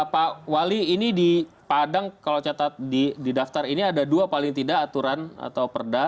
pak wali ini di padang kalau catat di daftar ini ada dua paling tidak aturan atau perda